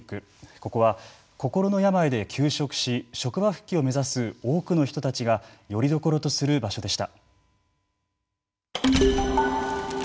ここは心の病で休職し職場復帰を目指す多くの人たちがよりどころとする場所でした。